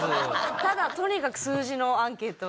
ただとにかく数字のアンケート。